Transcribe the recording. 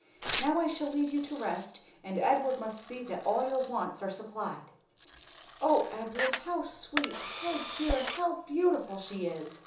Now I shall leave you to rest, and Edward must see that all your wants are supplied." "O Edward, how sweet, how dear, and how beautiful she is!"